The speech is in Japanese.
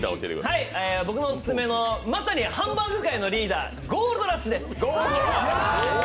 僕のおすすめのまさにハンバーグ界のリーダーゴールドラッシュです。